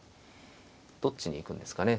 どっちに行くんですかね。